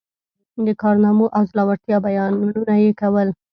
د کارنامو او زړه ورتیا بیانونه یې کول.